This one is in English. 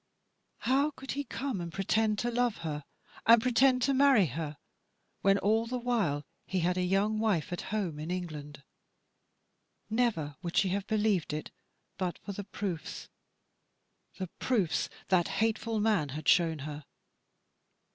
How could he come and pretend to love her, and pretend to marry her, when all the while he had a young wife at home in England? Never would she have believed it but for the proofs, the proofs that hateful man had shown her.